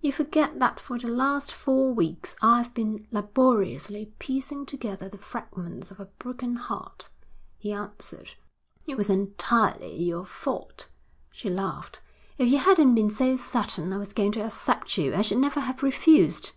'You forget that for the last four weeks I've been laboriously piecing together the fragments of a broken heart,' he answered. 'It was entirely your fault,' she laughed. 'If you hadn't been so certain I was going to accept you, I should never have refused.